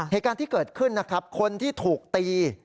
เหตุการณ์ที่เกิดขึ้นนะครับคนที่ถูกตี